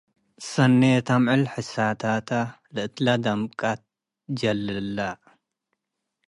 ሰኔት አምዕል ሕሳታታ - ለእትለደቅምቀት ትጀልላ